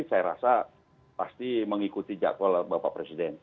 saya rasa pasti mengikuti jadwal bapak presiden